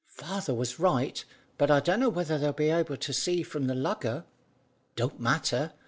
"Father was right, but I dunno whether they'll be able to see from the lugger. Don't matter.